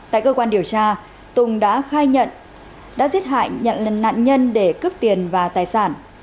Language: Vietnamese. tại cơ quan điều tra tùng đã khai nhận đã giết hại nhận nạn nhân để cướp tiền và tài sản